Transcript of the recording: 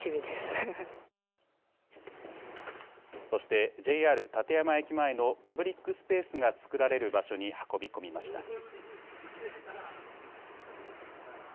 そしてＪＲ館山駅前のパブリックスペースが作られる場所に運び込みました。